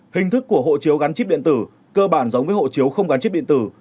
hình thức của hộ chiếu gắn chip điện tử cơ bản giống với hộ chiếu không gắn chip điện tử